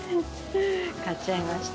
買っちゃいました。